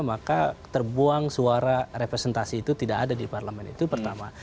maka terbuang suara representasi itu tidak ada di parlemen itu pertama